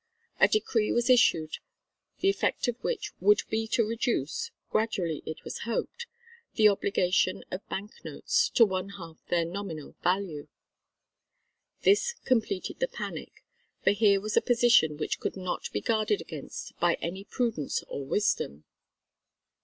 A decree was issued the effect of which would be to reduce gradually it was hoped the obligation of bank notes to one half their nominal value. This completed the panic, for here was a position which could not be guarded against by any prudence or wisdom.